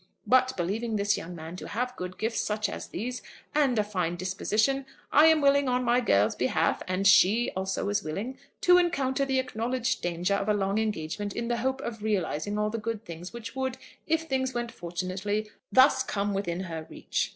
But believing this young man to have good gifts such as these, and a fine disposition, I am willing, on my girl's behalf, and she also is willing, to encounter the acknowledged danger of a long engagement in the hope of realising all the good things which would, if things went fortunately, thus come within her reach."